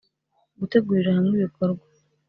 gutegurira hamwe ibikorwa